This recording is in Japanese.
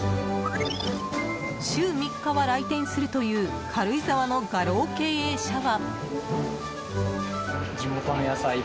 週３日は来店するという地元・軽井沢の画廊経営者は。